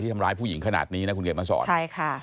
ที่ทำร้ายผู้หญิงขนาดนี้นะคุณเกดมาสอน